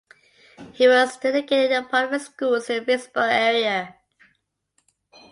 He was educated in the public schools in the Vicksburg area.